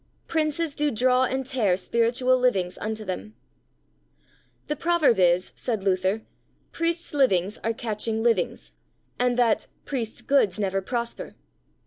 Princes do draw and tear Spiritual Livings unto them. The proverb is, said Luther, "Priests' livings are catching livings," and that "Priests' goods never prosper."